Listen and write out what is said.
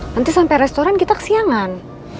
nanti sampai restoran kita kesiangan